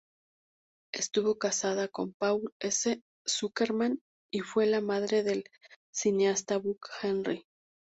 Estuvo casada con Paul S. Zuckerman, y fue la madre del cineasta Buck Henry.